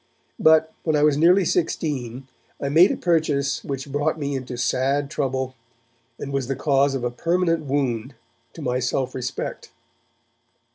But, when I was nearly sixteen, I made a purchase which brought me into sad trouble, and was the cause of a permanent wound to my self respect.